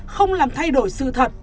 không làm thay đổi sự thật